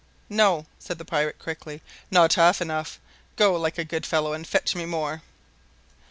"No," said the pirate, quickly, "not half enough. Go, like a good fellow, and fetch me more."